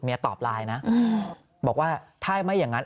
ตอบไลน์นะบอกว่าถ้าไม่อย่างนั้น